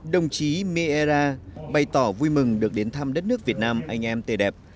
đồng chí mi era bày tỏ vui mừng được đến thăm đất nước việt nam anh em tê đẹp